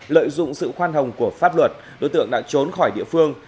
lợi dụng sự khoan hồng của pháp luật đối tượng đã trốn khỏi địa phương